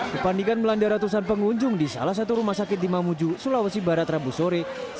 kepanikan melanda ratusan pengunjung di salah satu rumah sakit di mamuju sulawesi barat rabu sore